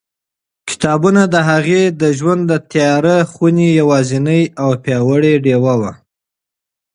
کتابونه د هغې د ژوند د تیاره خونې یوازینۍ او پیاوړې ډېوه وه.